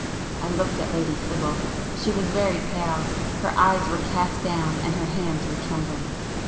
I looked at Lady Sibyl; she was very pale,—her eyes were cast down and her hands were trembling.